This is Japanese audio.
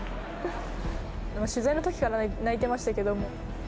取材のときから泣いてましたけど、もう。